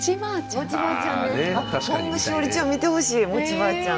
ホンマ栞里ちゃん見てほしい餅ばあちゃん。